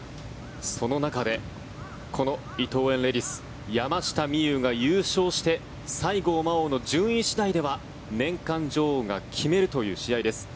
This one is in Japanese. その中で、この伊藤園レディス山下美夢有が優勝して西郷真央の順位次第では年間女王が決まるという試合です。